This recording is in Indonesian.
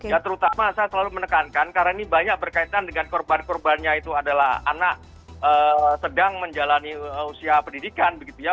ya terutama saya selalu menekankan karena ini banyak berkaitan dengan korban korbannya itu adalah anak sedang menjalani usia pendidikan begitu ya